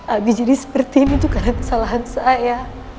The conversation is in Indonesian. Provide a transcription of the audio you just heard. abijiri seperti ini tuh karena kesalahan saya